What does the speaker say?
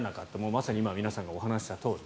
まさに今、皆さんがおっしゃったとおり。